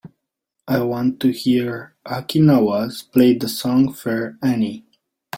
I want to hear Aki Nawaz, play the song fair annie.